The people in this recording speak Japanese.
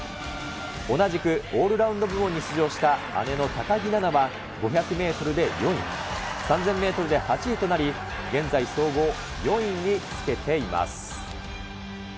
同じくオールラウンド部門に出場した姉の高木菜那は５００メートルで４位、３０００メートルで８位となり、現在総合４位につけています。